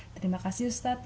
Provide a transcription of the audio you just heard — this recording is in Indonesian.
terima kasih ustadz